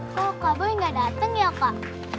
kalau kak boy gak dateng ya kak